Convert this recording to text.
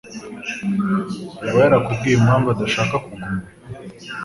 yaba yarakubwiye impamvu adashaka kuguma?